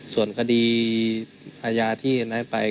ส่วนคดีอาญาที่อันนั้นไป